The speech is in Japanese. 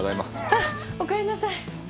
あっおかえりなさい。